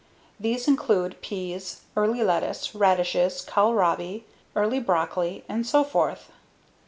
These include peas, early lettuce, radishes, kohlrabi, early broccoli, and so forth.